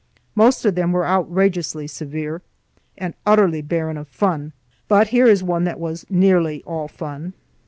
Most of them were outrageously severe, and utterly barren of fun. But here is one that was nearly all fun.